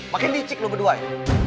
makin licik lo berdua ya